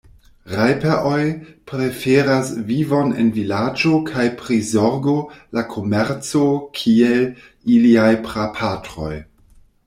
Rajper-oj preferas vivon en vilaĝo kaj prizorgo la komerco kiel iliaj prapatroj.